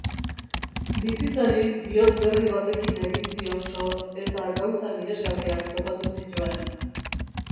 Bizitzari bihotz berri batekin egin zion so eta gauza miresgarriak topatu zituen.